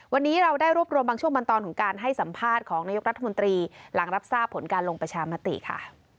วันนี้เราได้รวบรวมบางช่วงบางตอนของการให้สัมภาษณ์ของนายกรัฐมนตรีหลังรับทราบผลการลงประชามติค่ะ